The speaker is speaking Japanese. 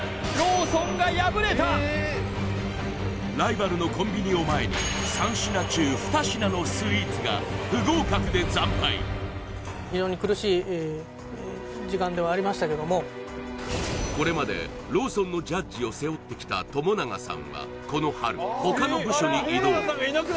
ライバルのコンビニを前に３品中２品のスイーツが不合格で惨敗ではありましたけどもこれまでローソンのジャッジを背負ってきた友永さんはこの春他の部署に異動